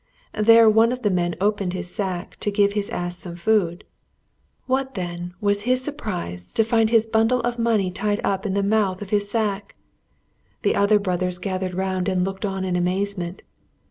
There one of the men opened his sack to give his ass some food. What, then, was his surprise to find his bundle of money tied up in the mouth of his sack! The other brothers gathered round and looked on in amazement.